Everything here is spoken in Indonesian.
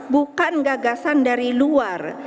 bukan gagasan dari luar